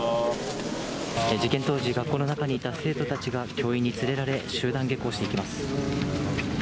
事件当時、学校の中にいた生徒たちが教員に連れられ、集団下校していきます。